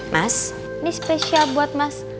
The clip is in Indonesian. mas ini spesial buat mas